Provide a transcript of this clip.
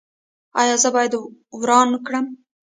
ایا زه باید وران کړم؟